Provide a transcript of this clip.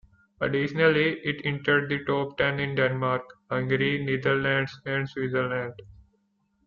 Additionally, it entered the top ten in Denmark, Hungary, Netherlands, and Switzerland.